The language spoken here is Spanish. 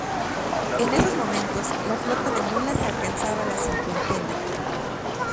En esos momentos, la flota de mulas alcanzaba la cincuentena.